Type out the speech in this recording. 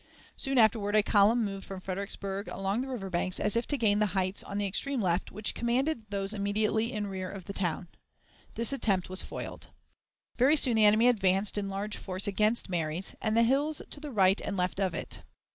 Soon afterward a column moved from Fredericksburg along the river banks, as if to gain the heights on the extreme left which commanded those immediately in rear of the town. This attempt was foiled. Very soon the enemy advanced in large force against Marye's, and the hills to the right and left of it.